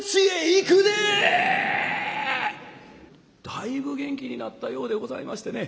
だいぶ元気になったようでございましてね。